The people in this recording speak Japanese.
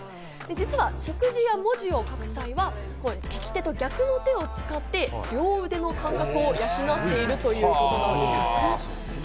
実は食事や文字を書く際は利き手と逆の手を使って、両腕の感覚を養っているということなんです。